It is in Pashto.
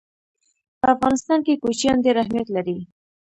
په افغانستان کې کوچیان ډېر اهمیت لري.